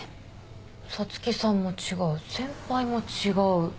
五月さんも違う先輩も違う。